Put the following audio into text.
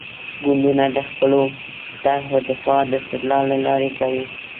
ګوندونه د خپلو طرحو دفاع د استدلال له لارې کوي.